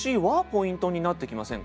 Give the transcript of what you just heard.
ポイントになってきませんか？